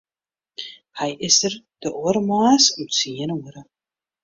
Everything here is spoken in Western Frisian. Hy is der de oare moarns om tsien oere.